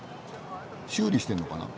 修理してんのかな？